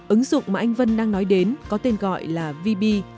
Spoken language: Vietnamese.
ứng dụng mà anh vân đang nói đến có tên gọi là vb